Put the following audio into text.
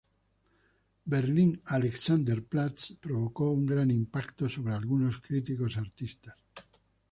Berlin Alexanderplatz provocó un gran impacto sobre algunos críticos artistas.